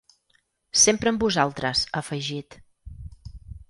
Sempre amb vosaltres, ha afegit.